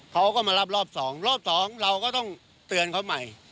เขาก็มารับรอบสองรอบสองเราก็ต้องเตือนเขาใหม่